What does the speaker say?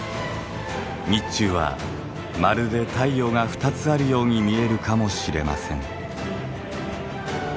日中はまるで太陽が２つあるように見えるかもしれません。